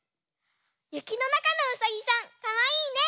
ゆきのなかのうさぎさんかわいいね！